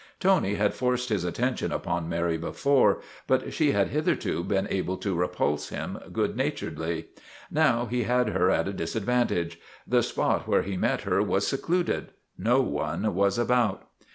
Tony had forced his attention upon Mary before, but she had hitherto been able to repulse him good naturedly. Now he had her at a disadvantage. The spot where he met her was secluded ; no one was about.